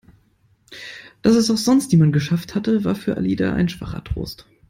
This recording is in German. Dass es auch sonst niemand geschafft hatte, war für Alida ein schwacher Trost.